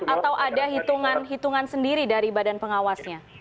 atau ada hitungan hitungan sendiri dari badan pengawasnya